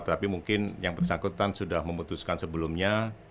tapi mungkin yang bersangkutan sudah memutuskan sebelumnya